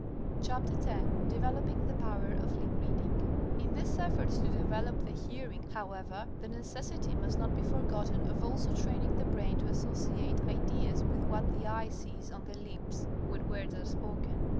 X DEVELOPING THE POWER OF LIP READING In this effort to develop the hearing, however, the necessity must not be forgotten of also training the brain to associate ideas with what the eye sees on the lips when words are spoken.